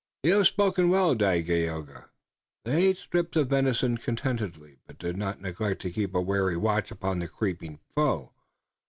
"You have spoken well, Dagaeoga." They ate strips of venison contentedly, but did not neglect to keep a wary watch upon the creeping foe.